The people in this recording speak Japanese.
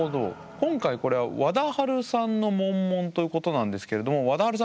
今回これはわだはるさんのモンモンということなんですけれどもわだはるさん